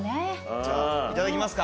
じゃあいただきますか。